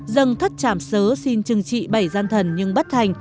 dần thất chảm sớ xin chừng trị bảy gian thần nhưng bất thành